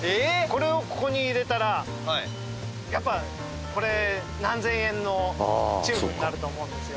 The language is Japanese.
これをここに入れたらはいやっぱこれ何千円のチューブになると思うんですよ